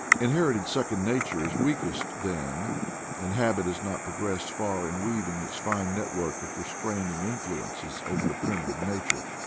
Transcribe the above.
Inherited second nature is weakest then; and habit has not progressed far in weaving its fine network of re straining influences over the primitive nature.